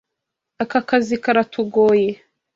Aka kazi karatugoye.